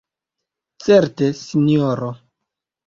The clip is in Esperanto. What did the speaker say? Certe, Sinjoro!